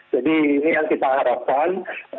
jadi ini yang kita harapkan